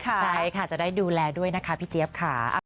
ใช่ค่ะจะได้ดูแลด้วยนะคะพี่เจี๊ยบค่ะ